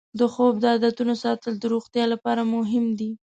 د خوب د عادتونو ساتل د روغتیا لپاره مهم دی.